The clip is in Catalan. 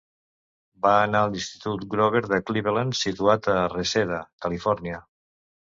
Va anar a l'Institut Grover de Cleveland, situat a Reseda, Califòrnia.